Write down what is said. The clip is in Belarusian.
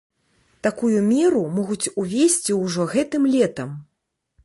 Такую меру могуць увесці ўжо гэтым летам.